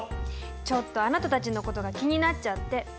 ちょっとあなたたちのことが気になっちゃって。